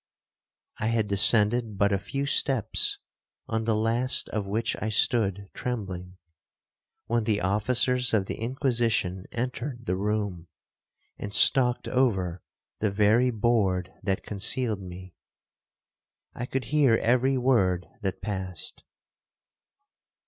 'I had descended but a few steps, on the last of which I stood trembling, when the officers of the Inquisition entered the room, and stalked over the very board that concealed me. I could hear every word that passed.